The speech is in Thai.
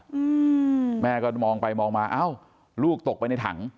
อืมแม่ก็มองไปมองมาเอ้าลูกตกไปในถัง